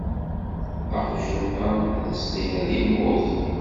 Aqjun-a ad s-tiniḍ yemmut.